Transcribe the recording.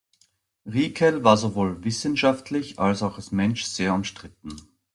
Riekel war sowohl wissenschaftlich als auch als Mensch sehr umstritten.